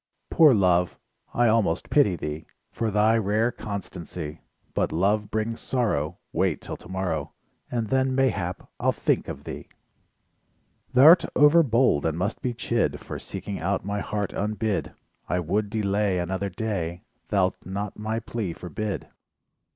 Poor Love: I almost pity thee For thy rare constancy, But Love brings sorrow, Wait 'till tomorrow, And then mayhap I'll think of thee. Thou'rt overbold and must be chid For seeking out my heart unbid, I would delay Another day, Thou'lt not my plea forbid?